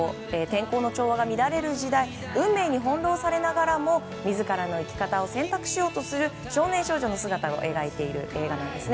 天候の調和が乱れる時代運命に翻弄されながらも自らの生き方を選択しようとする少年少女の姿を描いている映画です。